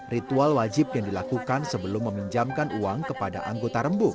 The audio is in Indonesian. ritual wajib yang dilakukan sebelum meminjamkan uang kepada anggota rembuk